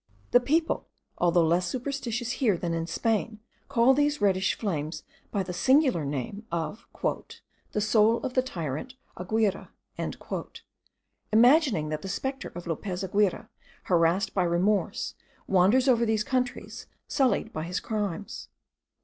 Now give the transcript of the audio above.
The people, although less superstitious here than in Spain, call these reddish flames by the singular name of 'the soul of the tyrant Aguirre;' imagining that the spectre of Lopez Aguirre, harassed by remorse, wanders over these countries sullied by his crimes.